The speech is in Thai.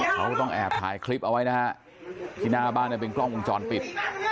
เขาต้องแอบถ่ายคลิปเอาไว้นะฮะที่หน้าบ้านเป็นกล้องวงจรปิด